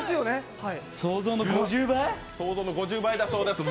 想像の５０倍だそうです。